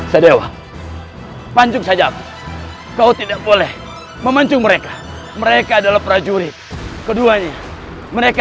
sadewa pancung saja kau tidak boleh memancung mereka mereka adalah prajurit keduanya mereka